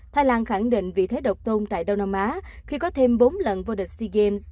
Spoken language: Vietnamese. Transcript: thái lan khẳng định vị thế độc tôn tại đông nam á khi có thêm bốn lần vô địch sea games